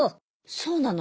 そうなの？